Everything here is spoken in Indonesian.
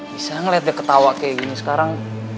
bisa ngeliat dia ketawa kayak gini sekarang